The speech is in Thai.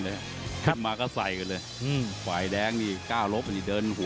มันน้ำหนักเท่ากันนะครับอันร้อยห้า